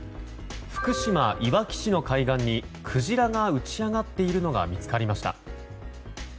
福島・いわき市の海岸にクジラが打ち揚がっているのが見つかりました。